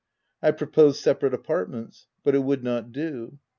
I proposed separate apartments ; but it would not do.